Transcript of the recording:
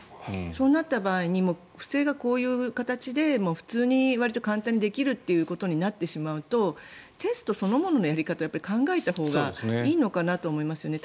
そうなった場合に不正がこういう形でわりと簡単にできるということになってしまうとテストそのもののやり方を考えたほうがいいのかなと思いますよね。